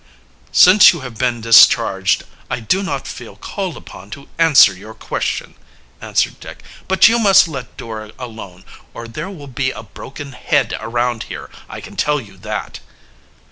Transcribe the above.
"Since you have been discharged, I do not feel called upon to answer your question," answered Dick. "But you must let Dora alone, or there will be a broken head around here, I can tell you that!"